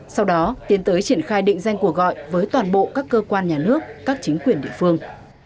sau đó tiến tới triển khai định danh cuộc gọi với toàn bộ các cơ quan nhà nước các chính quyền địa phương